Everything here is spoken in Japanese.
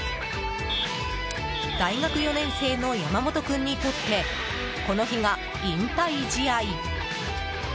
大学４年生の山本君にとってこの日が引退試合。